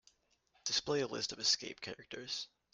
Display a list of escape characters.